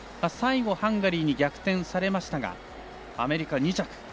最後、ハンガリーに逆転されましたがアメリカ、２着。